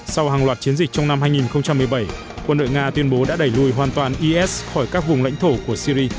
sau hàng loạt chiến dịch trong năm hai nghìn một mươi bảy quân đội nga tuyên bố đã đẩy lùi hoàn toàn is khỏi các vùng lãnh thổ của syri